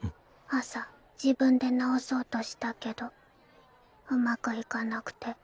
朝自分で直そうとしたけどうまくいかなくて。